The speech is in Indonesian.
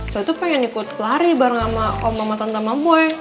saya tuh pengen ikut lari bareng sama om mama tante mama gue